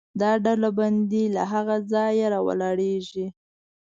دا ډلبندي له هغه ځایه راولاړېږي.